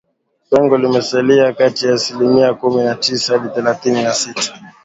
Pengo limesalia kati ya asilimia kumi na tisa hadi thelathini na sita